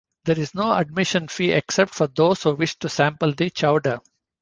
There is no admission fee except for those who wish to sample the chowder.